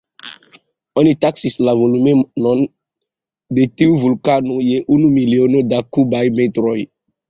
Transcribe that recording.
Oni taksis la volumenon de tiu vulkano je unu miliono da kubaj metroj.